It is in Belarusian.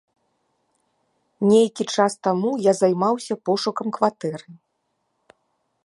Нейкі час таму я займаўся пошукам кватэры.